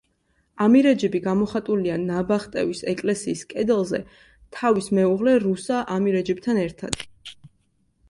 ამირეჯიბი გამოხატულია ნაბახტევის ეკლესიის კედელზე თავის მეუღლე რუსა ამირეჯიბთან ერთად.